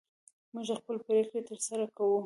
موږ خپلې پرېکړې تر سره کوو.